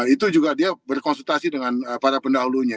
itu juga dia berkonsultasi dengan para pendahulunya